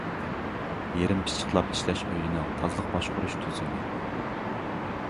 يېرىم پىششىقلاپ ئىشلەش ئۆيىنىڭ تازىلىق باشقۇرۇش تۈزۈمى.